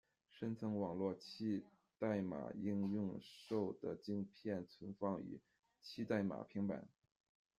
深层网络七代码应用兽的晶片存放于「七代码平板」。